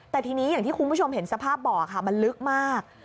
แต่ทีนี้อย่างที่คุณผู้ชมเห็นสภาพบ่อค่ะมันลึกมาก